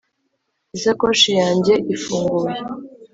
isakoshi yanjye ifunguye